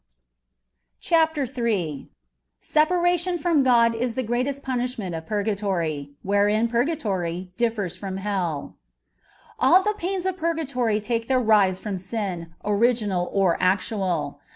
A TBEATISE OK FUBGATOBY. CHAPTER III. SEPARATION FROU GOD IS THE GREÀTEST PUNISHMENT OF PUR GATORT — WHEREIN PURGATORT DIFFERS FROM HELL. All the pains of purgatory take their rise from sin, originai or actual.